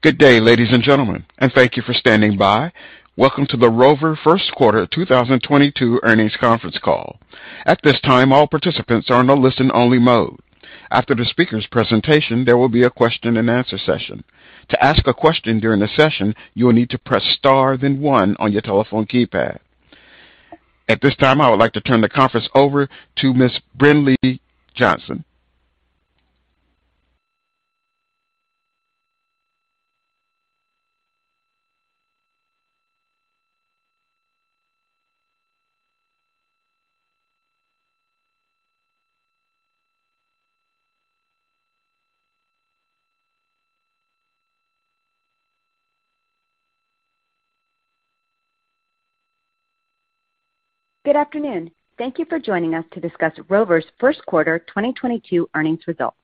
Good day, ladies and gentlemen, and thank you for standing by. Welcome to the Rover first quarter 2022 earnings conference call. At this time, all participants are in a listen-only mode. After the speaker's presentation, there will be a question and answer session. To ask a question during the session, you will need to press star, then one on your telephone keypad. At this time, I would like to turn the conference over to Ms. Brinlea Johnson. Good afternoon. Thank you for joining us to discuss Rover's first quarter 2022 earnings results.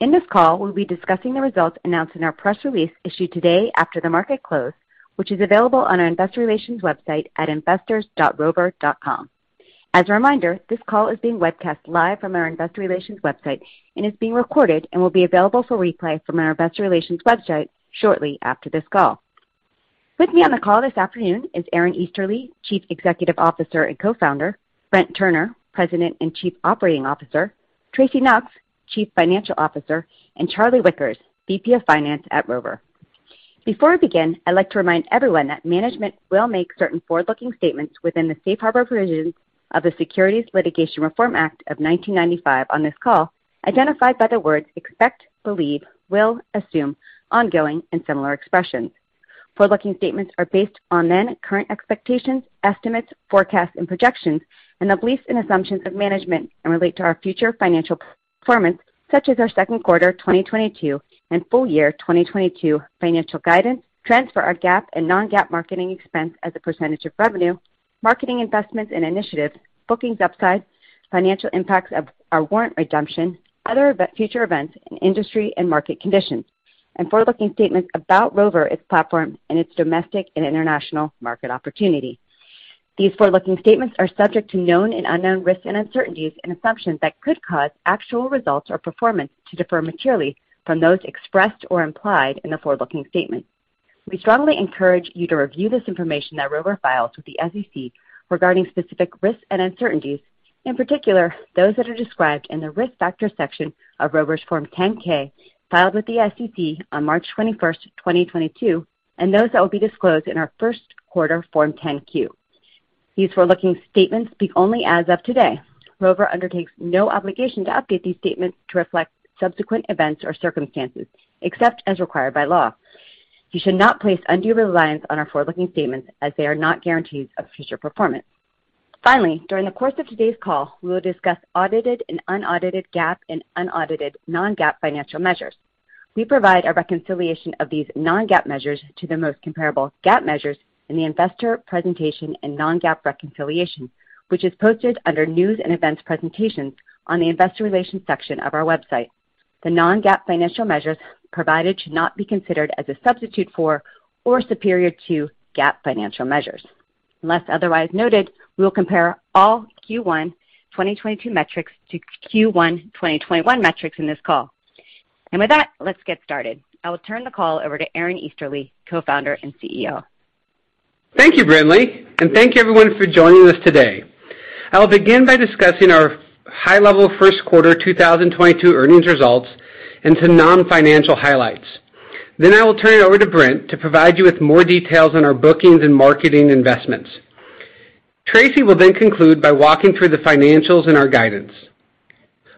In this call, we'll be discussing the results announced in our press release issued today after the market close, which is available on our investor relations website at investors.rover.com. As a reminder, this call is being webcast live from our investor relations website and is being recorded and will be available for replay from our investor relations website shortly after this call. With me on the call this afternoon is Aaron Easterly, Chief Executive Officer and Co-founder, Brent Turner, President and Chief Operating Officer, Tracy Knox, Chief Financial Officer, and Charlie Wickers, VP of Finance at Rover. Before we begin, I'd like to remind everyone that management will make certain forward-looking statements within the safe harbor provisions of the Securities Litigation Reform Act of 1995 on this call, identified by the words expect, believe, will, assume, ongoing, and similar expressions. Forward-looking statements are based on then current expectations, estimates, forecasts and projections and the beliefs and assumptions of management and relate to our future financial performance, such as our second quarter 2022 and full year 2022 financial guidance, trends for our GAAP and non-GAAP marketing expense as a percentage of revenue, marketing investments and initiatives, bookings upside, financial impacts of our warrant redemption, other future events in industry and market conditions, and forward-looking statements about Rover, its platform, and its domestic and international market opportunity. These forward-looking statements are subject to known and unknown risks and uncertainties and assumptions that could cause actual results or performance to differ materially from those expressed or implied in the forward-looking statement. We strongly encourage you to review this information that Rover files with the SEC regarding specific risks and uncertainties, in particular those that are described in the risk factors section of Rover's Form 10-K, filed with the SEC on March 21st, 2022, and those that will be disclosed in our first quarter Form 10-Q. These forward-looking statements speak only as of today. Rover undertakes no obligation to update these statements to reflect subsequent events or circumstances, except as required by law. You should not place undue reliance on our forward-looking statements as they are not guarantees of future performance. Finally, during the course of today's call, we will discuss audited and unaudited GAAP and unaudited non-GAAP financial measures. We provide a reconciliation of these non-GAAP measures to the most comparable GAAP measures in the investor presentation and non-GAAP reconciliation, which is posted under news & events presentations on the investor relations section of our website. The non-GAAP financial measures provided should not be considered as a substitute for or superior to GAAP financial measures. Unless otherwise noted, we will compare all Q1 2022 metrics to Q1 2021 metrics in this call. With that, let's get started. I will turn the call over to Aaron Easterly, Co-founder and CEO. Thank you, Brinlea, and thank you everyone for joining us today. I will begin by discussing our high-level first quarter 2022 earnings results and non-financial highlights. I will turn it over to Brent to provide you with more details on our bookings and marketing investments. Tracy will then conclude by walking through the financials and our guidance.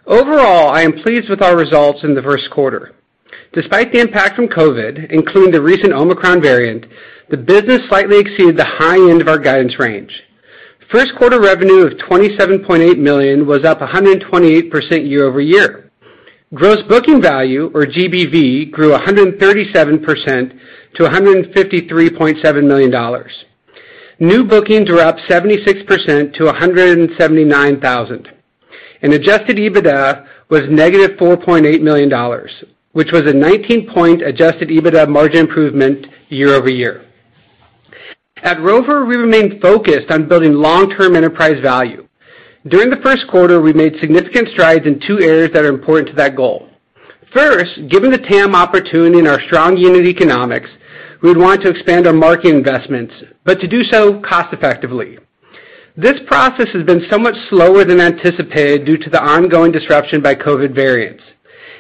Overall, I am pleased with our results in the first quarter. Despite the impact from COVID, including the recent Omicron variant, the business slightly exceeded the high end of our guidance range. First quarter revenue of $27.8 million was up 128% year-over-year. Gross booking value, or GBV, grew 137% to $153.7 million. New bookings were up 76% to 179,000. Adjusted EBITDA was -$4.8 million, which was a 19-point adjusted EBITDA margin improvement year-over-year. At Rover, we remain focused on building long-term enterprise value. During the first quarter, we made significant strides in two areas that are important to that goal. First, given the TAM opportunity and our strong unit economics, we want to expand our marketing investments, but to do so cost effectively. This process has been so much slower than anticipated due to the ongoing disruption by COVID variants.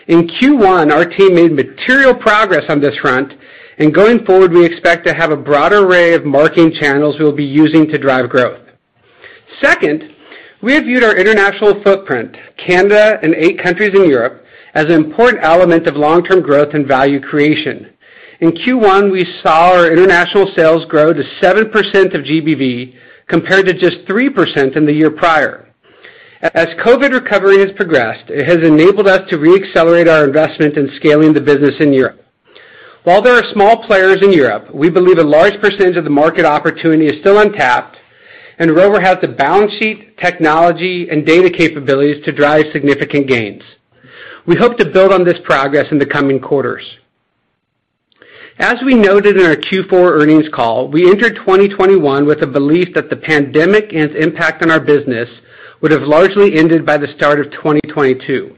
In Q1, our team made material progress on this front, and going forward, we expect to have a broad array of marketing channels we'll be using to drive growth. Second, we have viewed our international footprint, Canada and eight countries in Europe, as an important element of long-term growth and value creation. In Q1, we saw our international sales grow to 7% of GBV, compared to just 3% in the year prior. As COVID recovery has progressed, it has enabled us to re-accelerate our investment in scaling the business in Europe. While there are small players in Europe, we believe a large percentage of the market opportunity is still untapped, and Rover has the balance sheet, technology, and data capabilities to drive significant gains. We hope to build on this progress in the coming quarters. As we noted in our Q4 earnings call, we entered 2021 with a belief that the pandemic and its impact on our business would have largely ended by the start of 2022.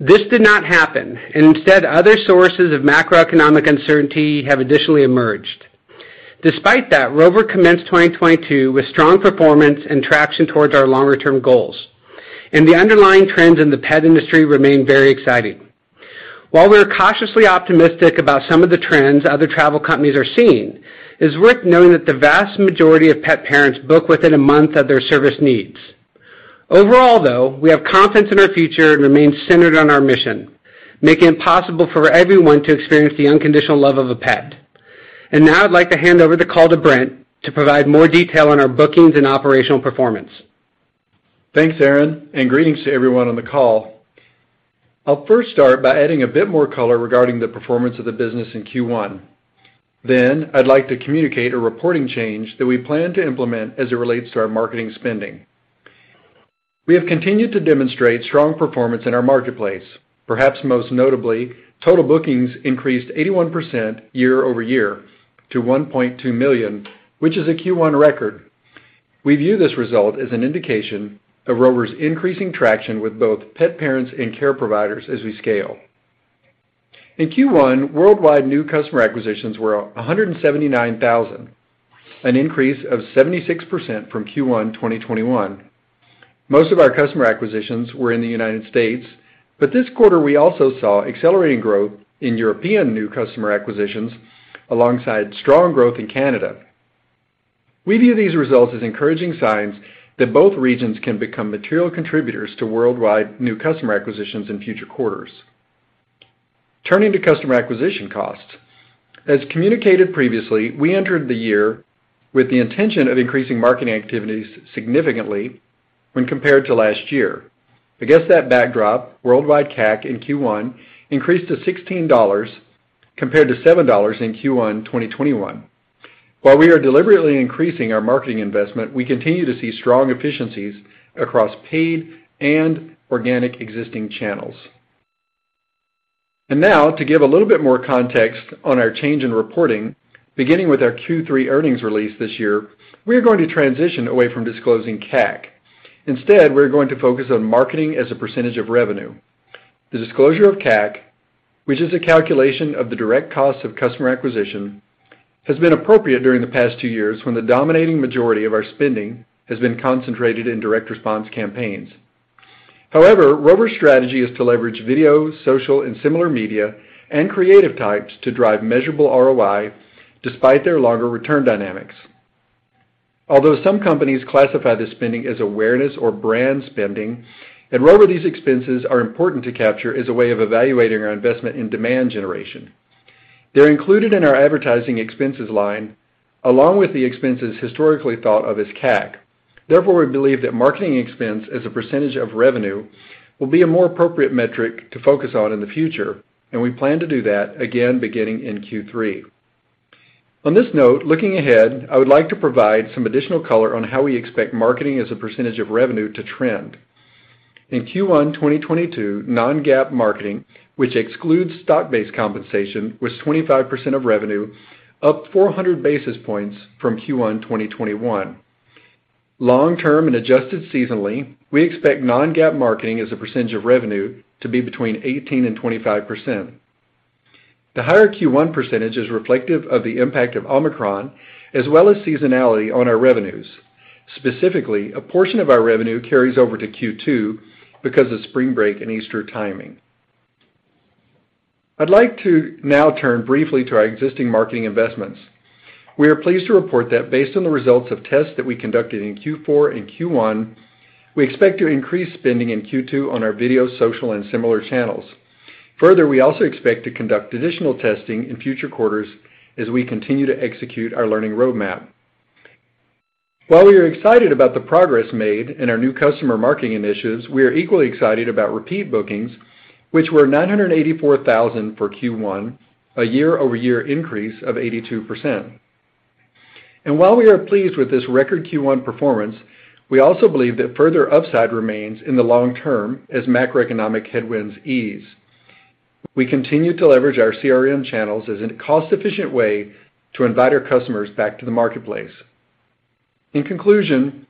This did not happen, and instead, other sources of macroeconomic uncertainty have additionally emerged. Despite that, Rover commenced 2022 with strong performance and traction towards our longer-term goals, and the underlying trends in the pet industry remain very exciting. While we are cautiously optimistic about some of the trends other travel companies are seeing, it is worth noting that the vast majority of pet parents book within a month of their service needs. Overall, though, we have confidence in our future and remain centered on our mission, making it possible for everyone to experience the unconditional love of a pet. Now I'd like to hand over the call to Brent to provide more detail on our bookings and operational performance. Thanks, Aaron, and greetings to everyone on the call. I'll first start by adding a bit more color regarding the performance of the business in Q1. I'd like to communicate a reporting change that we plan to implement as it relates to our marketing spending. We have continued to demonstrate strong performance in our marketplace. Perhaps most notably, total bookings increased 81% year-over-year to 1.2 million, which is a Q1 record. We view this result as an indication of Rover's increasing traction with both pet parents and care providers as we scale. In Q1, worldwide new customer acquisitions were 179,000, an increase of 76% from Q1 2021. Most of our customer acquisitions were in the United States, but this quarter we also saw accelerating growth in European new customer acquisitions alongside strong growth in Canada. We view these results as encouraging signs that both regions can become material contributors to worldwide new customer acquisitions in future quarters. Turning to customer acquisition costs. As communicated previously, we entered the year with the intention of increasing marketing activities significantly when compared to last year. Against that backdrop, worldwide CAC in Q1 increased to $16 compared to $7 in Q1 2021. While we are deliberately increasing our marketing investment, we continue to see strong efficiencies across paid and organic existing channels. Now to give a little bit more context on our change in reporting, beginning with our Q3 earnings release this year, we are going to transition away from disclosing CAC. Instead, we're going to focus on marketing as a percentage of revenue. The disclosure of CAC, which is a calculation of the direct cost of customer acquisition, has been appropriate during the past two years when the dominating majority of our spending has been concentrated in direct response campaigns. However, Rover's strategy is to leverage video, social, and similar media and creative types to drive measurable ROI despite their longer return dynamics. Although some companies classify this spending as awareness or brand spending, at Rover these expenses are important to capture as a way of evaluating our investment in demand generation. They're included in our advertising expenses line, along with the expenses historically thought of as CAC. Therefore, we believe that marketing expense as a percentage of revenue will be a more appropriate metric to focus on in the future, and we plan to do that again beginning in Q3. On this note, looking ahead, I would like to provide some additional color on how we expect marketing as a percentage of revenue to trend. In Q1 2022, non-GAAP marketing, which excludes stock-based compensation, was 25% of revenue, up 400 basis points from Q1 2021. Long-term and adjusted seasonally, we expect non-GAAP marketing as a percentage of revenue to be between 18% and 25%. The higher Q1 percentage is reflective of the impact of Omicron as well as seasonality on our revenues. Specifically, a portion of our revenue carries over to Q2 because of spring break and Easter timing. I'd like to now turn briefly to our existing marketing investments. We are pleased to report that based on the results of tests that we conducted in Q4 and Q1, we expect to increase spending in Q2 on our video, social, and similar channels. Further, we also expect to conduct additional testing in future quarters as we continue to execute our learning roadmap. While we are excited about the progress made in our new customer marketing initiatives, we are equally excited about repeat bookings, which were 984,000 for Q1, a year-over-year increase of 82%. While we are pleased with this record Q1 performance, we also believe that further upside remains in the long term as macroeconomic headwinds ease. We continue to leverage our CRM channels as a cost-efficient way to invite our customers back to the marketplace. In conclusion,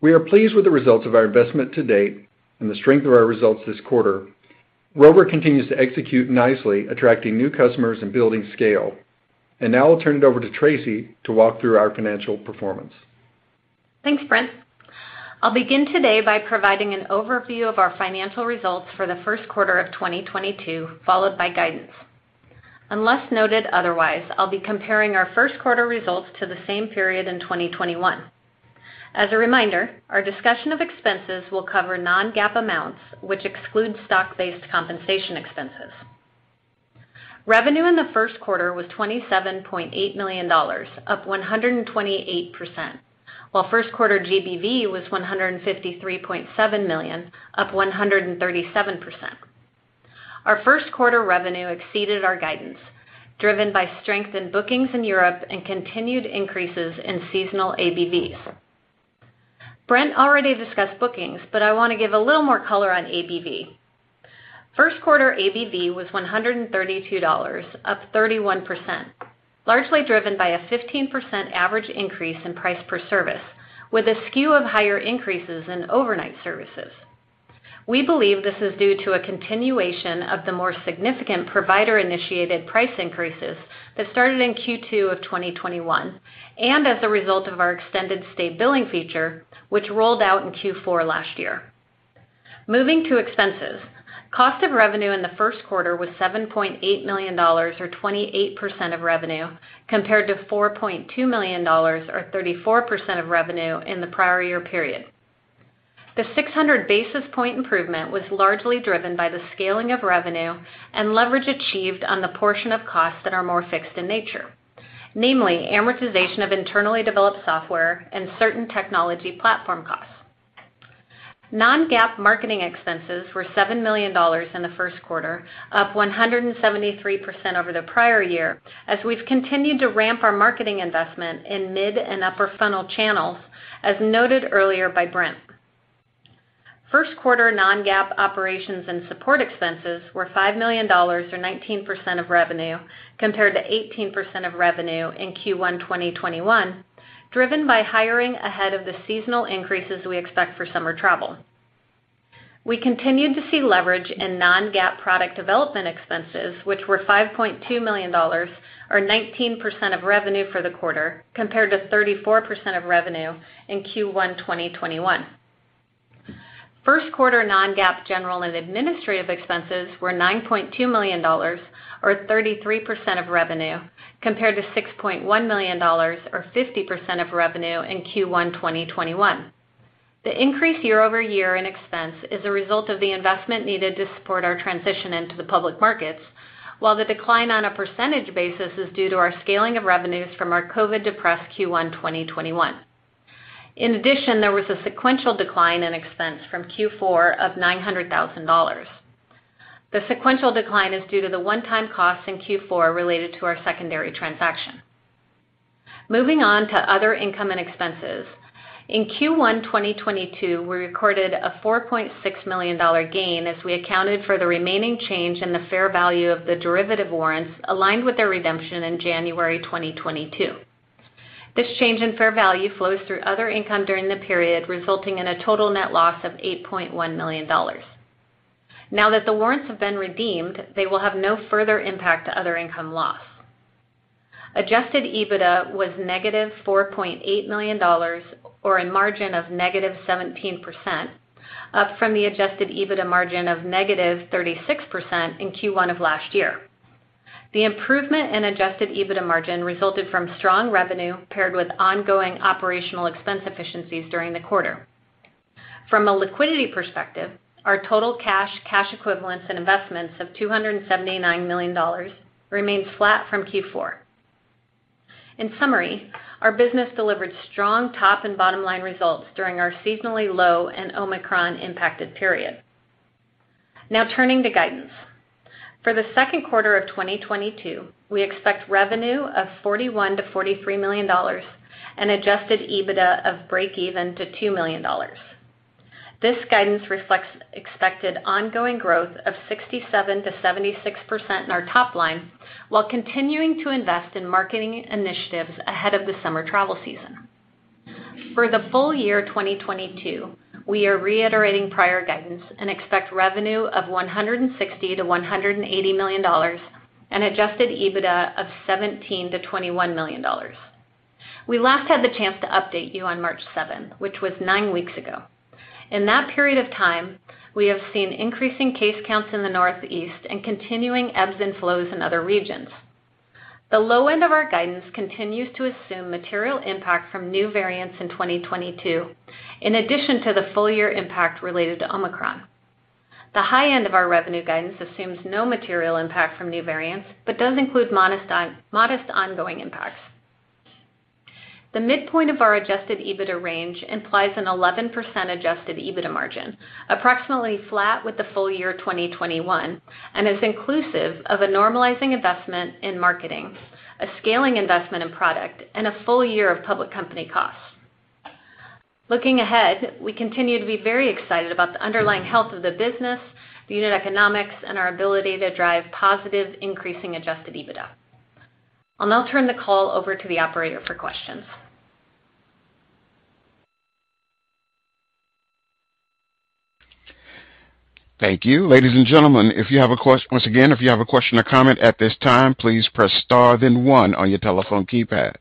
we are pleased with the results of our investment to date and the strength of our results this quarter. Rover continues to execute nicely, attracting new customers and building scale. Now I'll turn it over to Tracy to walk through our financial performance. Thanks, Brent. I'll begin today by providing an overview of our financial results for the first quarter of 2022, followed by guidance. Unless noted otherwise, I'll be comparing our first quarter results to the same period in 2021. As a reminder, our discussion of expenses will cover non-GAAP amounts, which exclude stock-based compensation expenses. Revenue in the first quarter was $27.8 million, up 128%, while first quarter GBV was $153.7 million, up 137%. Our first quarter revenue exceeded our guidance, driven by strength in bookings in Europe and continued increases in seasonal ABVs. Brent already discussed bookings, but I wanna give a little more color on ABV. First quarter ABV was $132, up 31%, largely driven by a 15% average increase in price per service, with a skew of higher increases in overnight services. We believe this is due to a continuation of the more significant provider-initiated price increases that started in Q2 of 2021 and as a result of our extended stay billing feature, which rolled out in Q4 last year. Moving to expenses. Cost of revenue in the first quarter was $7.8 million, or 28% of revenue, compared to $4.2 million or 34% of revenue in the prior year period. The 600 basis point improvement was largely driven by the scaling of revenue and leverage achieved on the portion of costs that are more fixed in nature, namely amortization of internally developed software and certain technology platform costs. Non-GAAP marketing expenses were $7 million in the first quarter, up 173% over the prior year as we've continued to ramp our marketing investment in mid and upper funnel channels, as noted earlier by Brent. First quarter non-GAAP operations and support expenses were $5 million, or 19% of revenue, compared to 18% of revenue in Q1 2021, driven by hiring ahead of the seasonal increases we expect for summer travel. We continued to see leverage in non-GAAP product development expenses, which were $5.2 million or 19% of revenue for the quarter, compared to 34% of revenue in Q1 2021. First quarter non-GAAP general and administrative expenses were $9.2 million or 33% of revenue, compared to $6.1 million or 50% of revenue in Q1 2021. The increase year-over-year in expense is a result of the investment needed to support our transition into the public markets, while the decline on a percentage basis is due to our scaling of revenues from our COVID-depressed Q1 2021. In addition, there was a sequential decline in expense from Q4 of $900,000. The sequential decline is due to the one-time costs in Q4 related to our secondary transaction. Moving on to other income and expenses. In Q1 2022, we recorded a $4.6 million gain as we accounted for the remaining change in the fair value of the derivative warrants aligned with their redemption in January 2022. This change in fair value flows through other income during the period, resulting in a total net loss of $8.1 million. Now that the warrants have been redeemed, they will have no further impact to other income loss. Adjusted EBITDA was -$4.8 million, or a margin of -17%, up from the adjusted EBITDA margin of -36% in Q1 of last year. The improvement in adjusted EBITDA margin resulted from strong revenue paired with ongoing operational expense efficiencies during the quarter. From a liquidity perspective, our total cash equivalents and investments of $279 million remains flat from Q4. In summary, our business delivered strong top and bottom line results during our seasonally low and Omicron-impacted period. Now, turning to guidance. For the second quarter of 2022, we expect revenue of $41 million-$43 million and adjusted EBITDA of breakeven to $2 million. This guidance reflects expected ongoing growth of 67%-76% in our top line while continuing to invest in marketing initiatives ahead of the summer travel season. For the full year 2022, we are reiterating prior guidance and expect revenue of $160 million-$180 million and adjusted EBITDA of $17 million-$21 million. We last had the chance to update you on March 7, which was nine weeks ago. In that period of time, we have seen increasing case counts in the Northeast and continuing ebbs and flows in other regions. The low end of our guidance continues to assume material impact from new variants in 2022, in addition to the full year impact related to Omicron. The high end of our revenue guidance assumes no material impact from new variants, but does include modest on-modest ongoing impacts. The midpoint of our adjusted EBITDA range implies an 11% adjusted EBITDA margin, approximately flat with the full year 2021, and is inclusive of a normalizing investment in marketing, a scaling investment in product, and a full year of public company costs. Looking ahead, we continue to be very excited about the underlying health of the business, the unit economics, and our ability to drive positive increasing adjusted EBITDA. I'll now turn the call over to the Operator for questions. Thank you. Ladies and gentlemen, once again, if you have a question or comment at this time, please press star then one on your telephone keypad.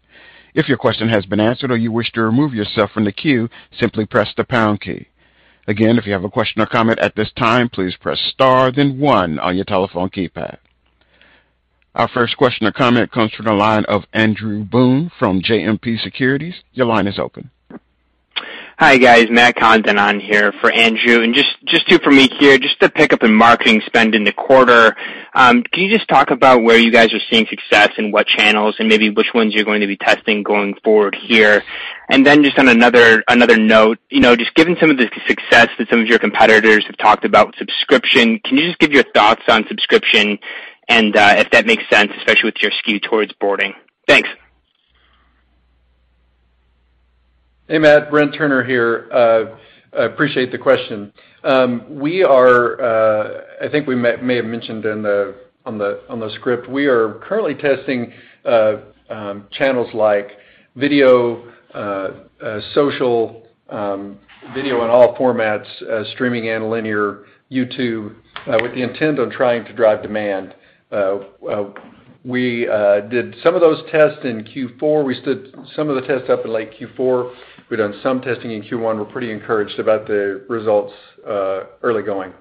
If your question has been answered or you wish to remove yourself from the queue, simply press the pound key. Again, if you have a question or comment at this time, please press star then one on your telephone keypad. Our first question or comment comes from the line of Andrew Boone from JMP Securities. Your line is open. Hi, guys. Matt Condon on here for Andrew. For me here, just to pick up in marketing spend in the quarter, can you just talk about where you guys are seeing success and what channels and maybe which ones you're going to be testing going forward here? Then just on another note, you know, just given some of the success that some of your competitors have talked about with subscription, can you just give your thoughts on subscription and if that makes sense, especially with your skew towards boarding? Thanks. Hey, Matt, Brent Turner here. I appreciate the question. I think we may have mentioned on the script, we are currently testing channels like video, social, video in all formats, streaming and linear, YouTube, with the intent on trying to drive demand. We did some of those tests in Q4. We stood some of the tests up in late Q4. We've done some testing in Q1. We're pretty encouraged about the results, early going.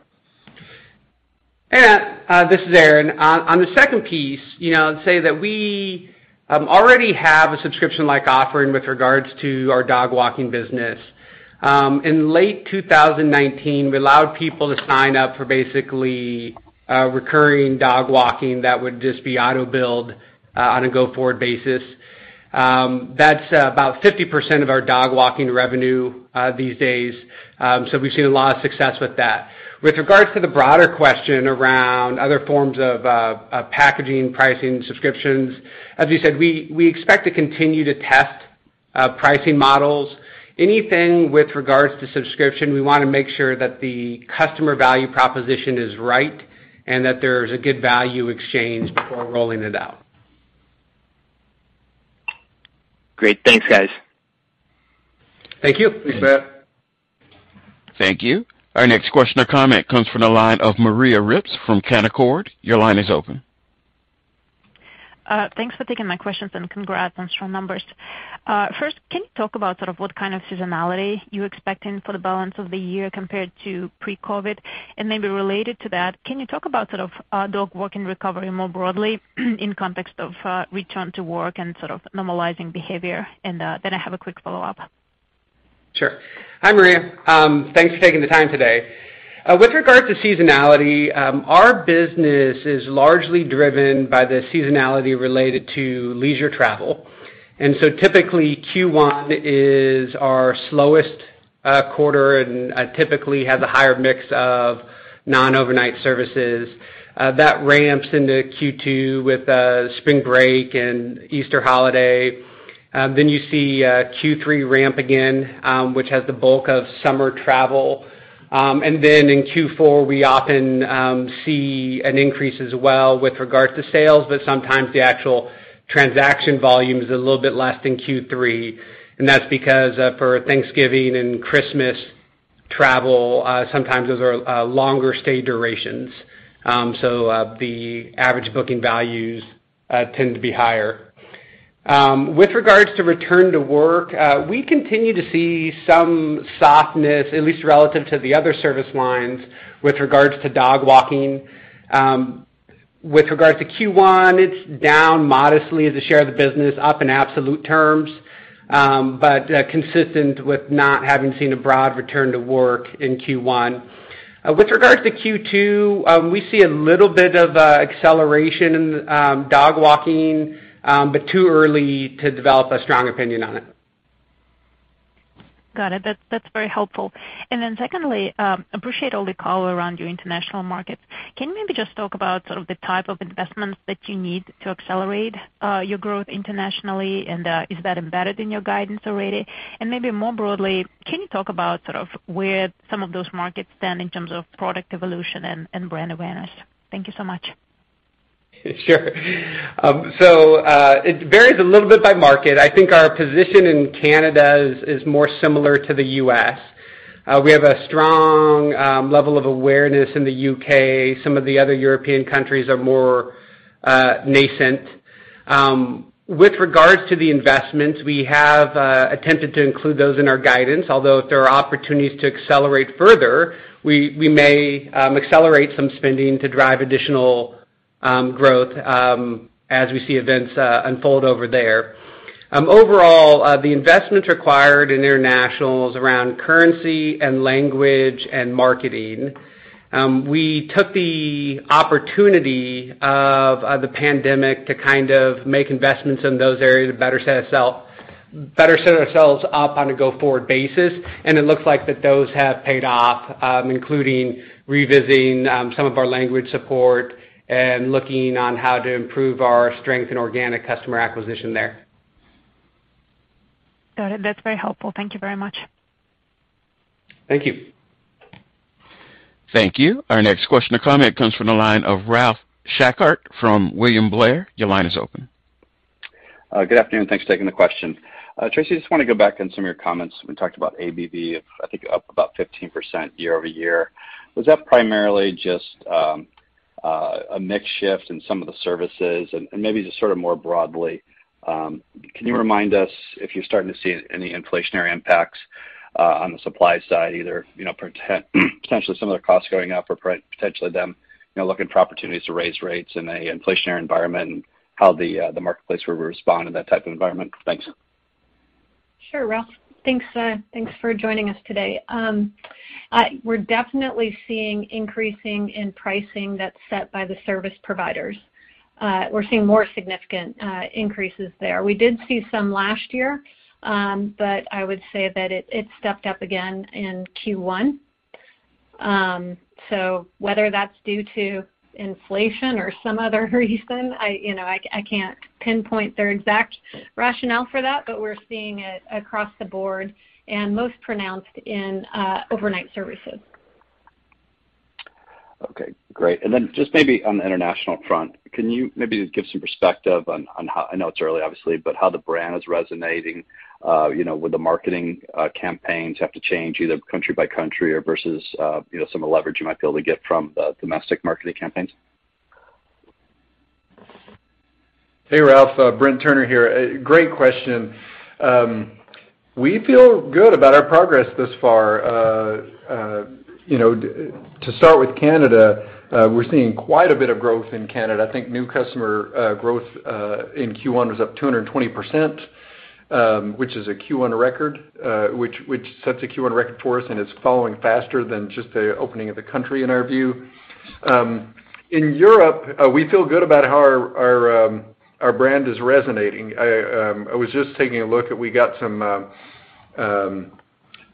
This is Aaron. On the second piece, you know, I'd say that we already have a subscription-like offering with regards to our dog walking business. In late 2019, we allowed people to sign up for basically recurring dog walking that would just be auto-billed on a go-forward basis. That's about 50% of our dog walking revenue these days. We've seen a lot of success with that. With regards to the broader question around other forms of packaging, pricing, subscriptions, as you said, we expect to continue to test pricing models. Anything with regards to subscription, we wanna make sure that the customer value proposition is right and that there's a good value exchange before rolling it out. Great. Thanks, guys. Thank you. Thanks, Matt. Thank you. Our next question or comment comes from the line of Maria Ripps from Canaccord. Your line is open. Thanks for taking my questions, and congrats on strong numbers. First, can you talk about sort of what kind of seasonality you're expecting for the balance of the year compared to pre-COVID? Maybe related to that, can you talk about sort of dog walking recovery more broadly in context of return to work and sort of normalizing behavior? Then I have a quick follow-up. Sure. Hi, Maria, thanks for taking the time today. With regards to seasonality, our business is largely driven by the seasonality related to leisure travel. Typically, Q1 is our slowest quarter and typically has a higher mix of non-overnight services. That ramps into Q2 with spring break and Easter holiday. Then you see Q3 ramp again, which has the bulk of summer travel. Then in Q4, we often see an increase as well with regards to sales, but sometimes the actual transaction volume is a little bit less than Q3. That's because for Thanksgiving and Christmas travel, sometimes those are longer stay durations. So the average booking values tend to be higher. With regards to return to work, we continue to see some softness, at least relative to the other service lines with regards to dog walking. With regards to Q1, it's down modestly as a share of the business, up in absolute terms, but consistent with not having seen a broad return to work in Q1. With regards to Q2, we see a little bit of an acceleration in dog walking, but too early to develop a strong opinion on it. Got it. That's very helpful. Then secondly, appreciate all the color around your international markets. Can you maybe just talk about sort of the type of investments that you need to accelerate your growth internationally, and is that embedded in your guidance already? Maybe more broadly, can you talk about sort of where some of those markets stand in terms of product evolution and brand awareness? Thank you so much. Sure. It varies a little bit by market. I think our position in Canada is more similar to the U.S. We have a strong level of awareness in the U.K. Some of the other European countries are more nascent. With regards to the investments, we have attempted to include those in our guidance, although if there are opportunities to accelerate further, we may accelerate some spending to drive additional growth, as we see events unfold over there. Overall, the investments required in internationals around currency and language and marketing, we took the opportunity of the pandemic to kind of make investments in those areas to better set ourselves up on a go-forward basis. It looks like those have paid off, including revisiting some of our language support and looking on how to improve our strength in organic customer acquisition there. Got it. That's very helpful. Thank you very much. Thank you. Thank you. Our next question or comment comes from the line of Ralph Schackart from William Blair. Your line is open. Good afternoon. Thanks for taking the question. Tracy, I just wanna go back on some of your comments when you talked about ABV of, I think, up about 15% year-over-year. Was that primarily just a mix shift in some of the services? Maybe just sort of more broadly, can you remind us if you're starting to see any inflationary impacts on the supply side, either, you know, potentially some of the costs going up or potentially them, you know, looking for opportunities to raise rates in a inflationary environment and how the marketplace would respond in that type of environment? Thanks. Sure, Ralph. Thanks for joining us today. We're definitely seeing increases in pricing that's set by the service providers. We're seeing more significant increases there. We did see some last year, but I would say that it stepped up again in Q1. Whether that's due to inflation or some other reason, I you know I can't pinpoint their exact rationale for that, but we're seeing it across the board and most pronounced in overnight services. Okay, great. Just maybe on the international front, can you maybe give some perspective on how I know it's early, obviously, but how the brand is resonating, you know, would the marketing campaigns have to change either country by country or versus, you know, some of the leverage you might be able to get from domestic marketing campaigns? Hey, Ralph, Brent Turner here. Great question. We feel good about our progress thus far. You know, to start with Canada, we're seeing quite a bit of growth in Canada. I think new customer growth in Q1 was up 200%, which is a Q1 record, which sets a Q1 record for us, and it's following faster than just the opening of the country in our view. In Europe, we feel good about how our brand is resonating. I was just taking a look at we got some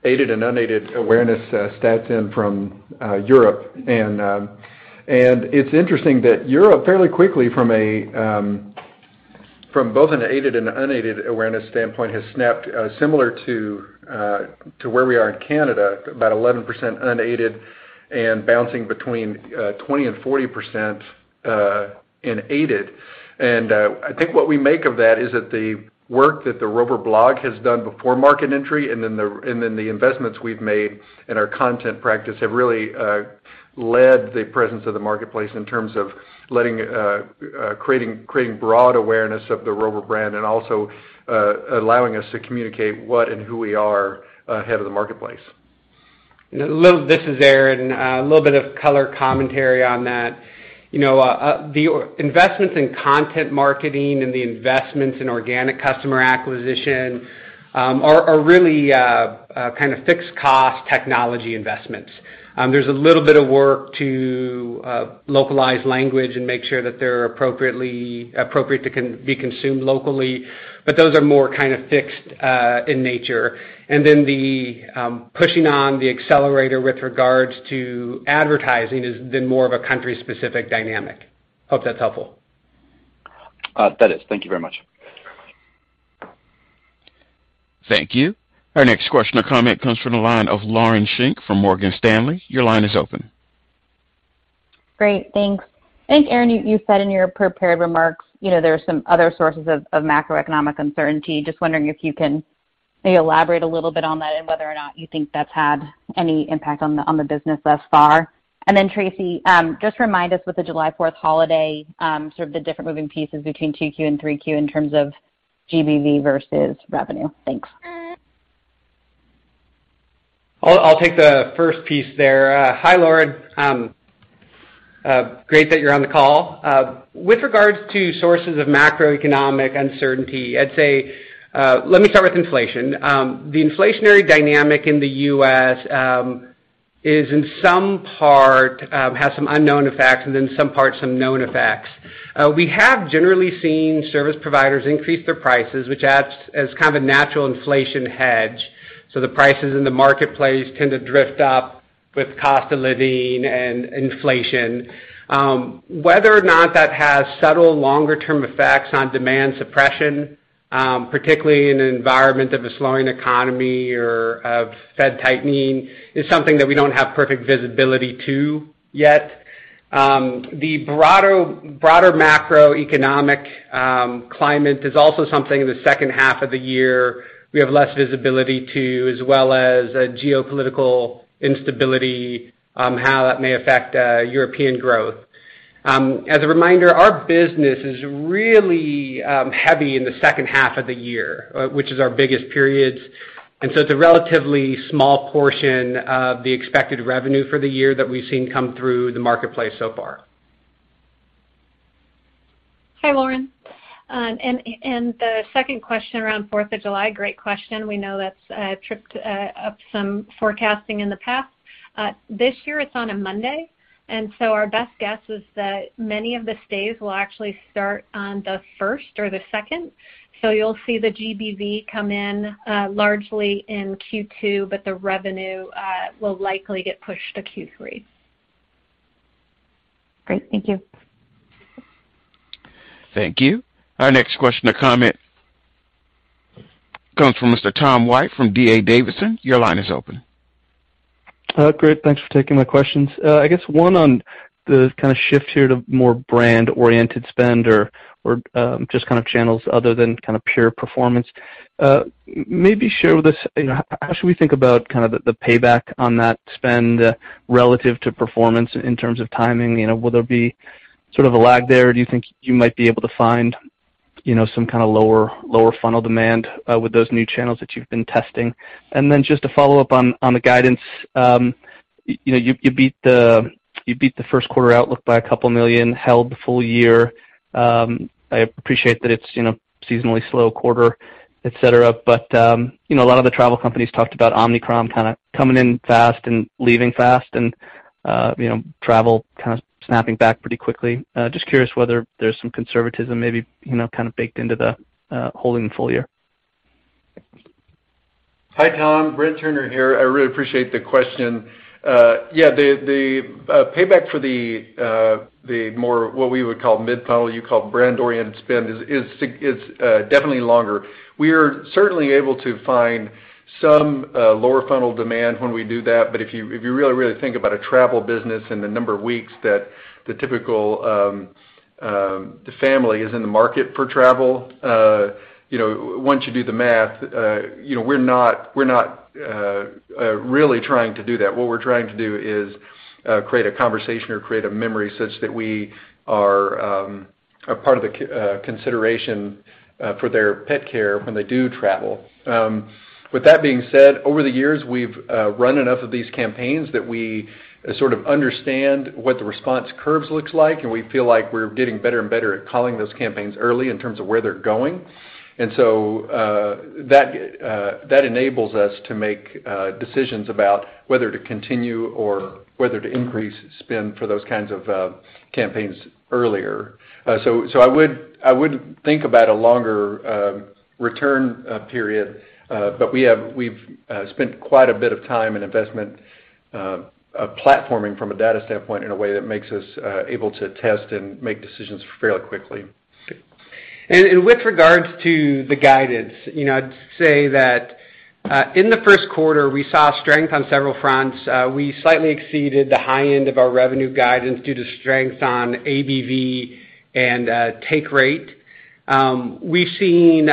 aided and unaided awareness stats in from Europe. It's interesting that Europe fairly quickly from both an aided and unaided awareness standpoint has snapped similar to where we are in Canada, about 11% unaided and bouncing between 20%-40% in aided. I think what we make of that is that the work that the Rover blog has done before market entry and then the investments we've made in our content practice have really led to the presence of the marketplace in terms of creating broad awareness of the Rover brand and also allowing us to communicate what and who we are ahead of the marketplace. This is Aaron. A little bit of color commentary on that. You know, the investments in content marketing and the investments in organic customer acquisition are really kind of fixed cost technology investments. There's a little bit of work to localize language and make sure that they're appropriate to be consumed locally, but those are more kind of fixed in nature. Then the pushing on the accelerator with regards to advertising has been more of a country-specific dynamic. Hope that's helpful. Thank you very much. Thank you. Our next question or comment comes from the line of Lauren Schenk from Morgan Stanley. Your line is open. Great. Thanks. I think, Aaron, you said in your prepared remarks, you know, there are some other sources of macroeconomic uncertainty. Just wondering if you can maybe elaborate a little bit on that and whether or not you think that's had any impact on the business thus far. Tracy, just remind us with the July 4th holiday, sort of the different moving pieces between 2Q and 3Q in terms of GBV versus revenue. Thanks. I'll take the first piece there. Hi, Lauren. Great that you're on the call. With regards to sources of macroeconomic uncertainty, I'd say, let me start with inflation. The inflationary dynamic in the U.S. has some unknown effects and then some known effects. We have generally seen service providers increase their prices, which acts as kind of a natural inflation hedge, so the prices in the marketplace tend to drift up with cost of living and inflation. Whether or not that has subtle longer term effects on demand suppression, particularly in an environment of a slowing economy or of Fed tightening, is something that we don't have perfect visibility to yet. The broader macroeconomic climate is also something in the second half of the year we have less visibility to, as well as a geopolitical instability, how that may affect European growth. As a reminder, our business is really heavy in the second half of the year, which is our biggest periods. It's a relatively small portion of the expected revenue for the year that we've seen come through the marketplace so far. Hi, Lauren. The second question around 4th of July, great question. We know that's tripped up some forecasting in the past. This year it's on a Monday, and so our best guess is that many of the stays will actually start on the first or the second. You'll see the GBV come in, largely in Q2, but the revenue will likely get pushed to Q3. Great. Thank you. Thank you. Our next question or comment comes from Mr. Tom White from D.A. Davidson. Your line is open. Great. Thanks for taking my questions. I guess one on the kind of shift here to more brand-oriented spend or just kind of channels other than kind of pure performance. Maybe share with us, you know, how should we think about kind of the payback on that spend relative to performance in terms of timing? You know, will there be sort of a lag there? Do you think you might be able to find, you know, some kind of lower funnel demand with those new channels that you've been testing? Then just to follow up on the guidance, you know, you beat the first quarter outlook by a couple million, held full year. I appreciate that it's, you know, seasonally slow quarter, et cetera, but, you know, a lot of the travel companies talked about Omicron kind of coming in fast and leaving fast and, you know, travel kind of snapping back pretty quickly. Just curious whether there's some conservatism maybe, you know, kind of baked into the, holding full year. Hi, Tom. Brent Turner here. I really appreciate the question. Yeah, the payback for the more what we would call mid-funnel, you call brand-oriented spend is definitely longer. We are certainly able to find some lower funnel demand when we do that, but if you really, really think about a travel business and the number of weeks that the typical family is in the market for travel, you know, once you do the math, you know, we're not really trying to do that. What we're trying to do is create a conversation or create a memory such that we are a part of the consideration for their pet care when they do travel. With that being said, over the years, we've run enough of these campaigns that we sort of understand what the response curves looks like, and we feel like we're getting better and better at calling those campaigns early in terms of where they're going. That enables us to make decisions about whether to continue or whether to increase spend for those kinds of campaigns earlier. I would think about a longer return period, but we've spent quite a bit of time and investment of platforming from a data standpoint in a way that makes us able to test and make decisions fairly quickly. With regards to the guidance, you know, I'd say that, in the first quarter, we saw strength on several fronts. We slightly exceeded the high end of our revenue guidance due to strengths on ABV and take rate. We've seen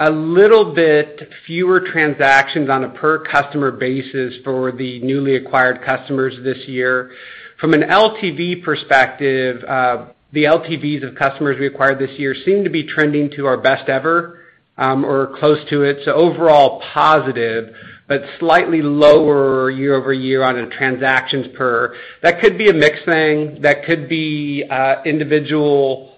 a little bit fewer transactions on a per customer basis for the newly acquired customers this year. From an LTV perspective, the LTVs of customers we acquired this year seem to be trending to our best ever, or close to it, so overall positive, but slightly lower year-over-year on a transactions per. That could be a mix thing. That could be individual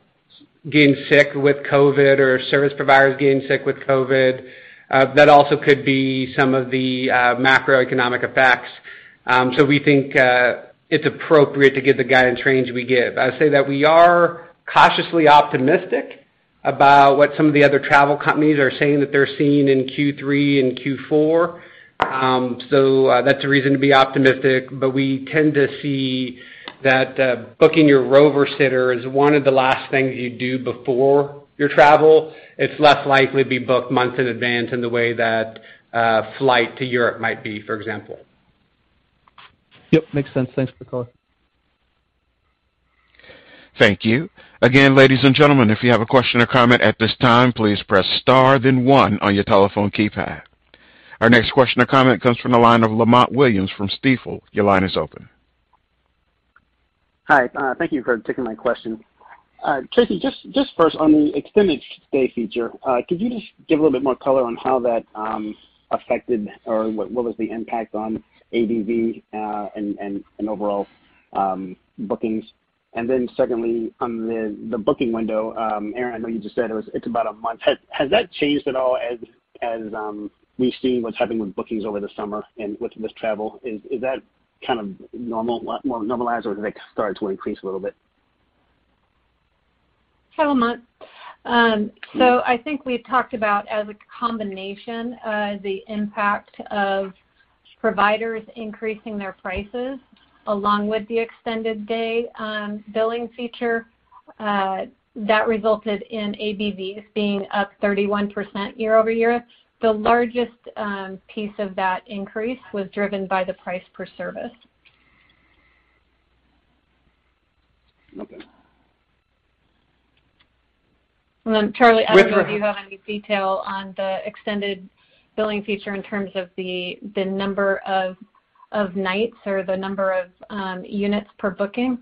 getting sick with COVID or service providers getting sick with COVID. That also could be some of the macroeconomic effects. So we think it's appropriate to give the guidance range we give. I'd say that we are cautiously optimistic about what some of the other travel companies are saying that they're seeing in Q3 and Q4. That's a reason to be optimistic, but we tend to see that booking your Rover sitter is one of the last things you do before your travel. It's less likely to be booked months in advance in the way that flight to Europe might be, for example. Yep, makes sense. Thanks, Aaron Easterly. Thank you. Again, ladies and gentlemen, if you have a question or comment at this time, please press star then one on your telephone keypad. Our next question or comment comes from the line of Lamont Williams from Stifel. Your line is open. Hi. Thank you for taking my question. Tracy, just first on the extended stay feature, could you just give a little bit more color on how that affected or what was the impact on ABV and overall bookings? Secondly, on the booking window, Aaron, I know you just said it's about a month. Has that changed at all as we've seen what's happening with bookings over the summer and with travel? Is that kind of normal, more normalized, or has it started to increase a little bit? Sure, Lamont. I think we talked about as a combination, the impact of providers increasing their prices along with the extended stay billing feature, that resulted in ABVs being up 31% year-over-year. The largest piece of that increase was driven by the price per service. Okay. Charlie, I don't know if you have any detail on the extended billing feature in terms of the number of nights or the number of units per booking.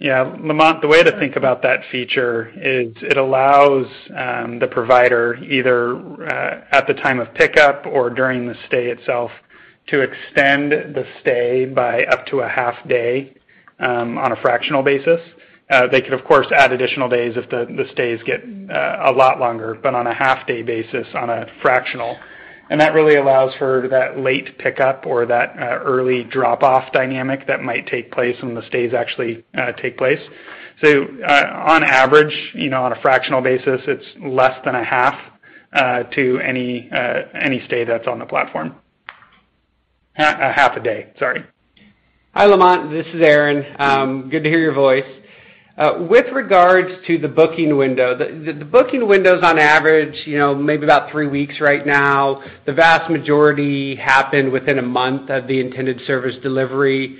Yeah. Lamont, the way to think about that feature is it allows the provider either at the time of pickup or during the stay itself to extend the stay by up to a half day on a fractional basis. They could, of course, add additional days if the stays get a lot longer, but on a half day basis on a fractional. That really allows for that late pickup or that early drop-off dynamic that might take place when the stays actually take place. On average, you know, on a fractional basis, it's less than a half to any stay that's on the platform. A half a day, sorry. Hi, Lamont. This is Aaron. Good to hear your voice. With regards to the booking window, the booking window is on average, you know, maybe about three weeks right now. The vast majority happen within a month of the intended service delivery,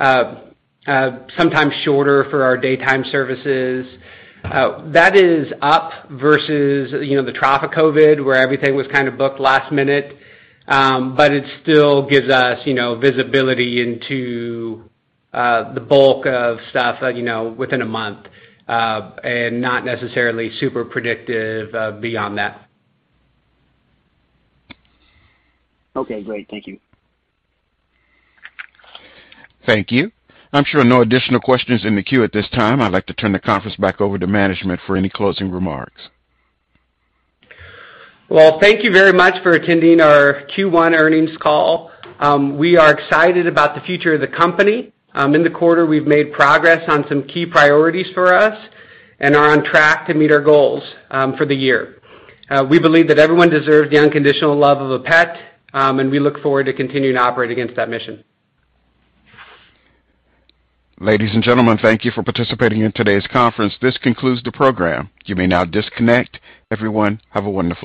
sometimes shorter for our daytime services. That is up versus, you know, the trough of COVID, where everything was kinda booked last minute, but it still gives us, you know, visibility into the bulk of stuff, you know, within a month, and not necessarily super predictive beyond that. Okay, great. Thank you. Thank you. I'm sure no additional questions in the queue at this time. I'd like to turn the conference back over to management for any closing remarks. Well, thank you very much for attending our Q1 earnings call. We are excited about the future of the company. In the quarter, we've made progress on some key priorities for us and are on track to meet our goals for the year. We believe that everyone deserves the unconditional love of a pet, and we look forward to continuing to operate against that mission. Ladies and gentlemen, thank you for participating in today's conference. This concludes the program. You may now disconnect. Everyone, have a wonderful day.